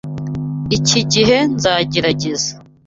Iki gihe nzagerageza.